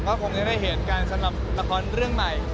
ก็คงจะได้เห็นกันสำหรับละครเรื่องใหม่